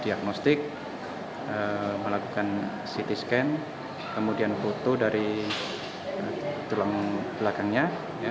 diagnostik melakukan ct scan kemudian foto dari tulang belakangnya